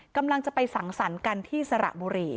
กำลังจะไปสังสรรค์กันที่สระบุรี